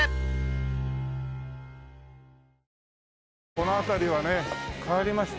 この辺りはね変わりましたよ。